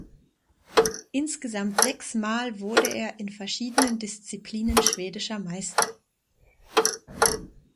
Insgesamt sechsmal wurde er in verschiedenen Disziplinen schwedischer Meister.